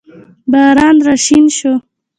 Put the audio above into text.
باران راشین شو